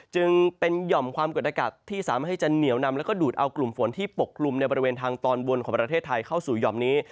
จึงเป็นหย่อมความกดอากาศที่สามารถให้จะเหนียวนำแล้วก็ดูดเอากลุ่มฝนที่ปกลุ่มในบริเวณทางตอนบนของประเทศไทยเข้าสู่หย่อมนี้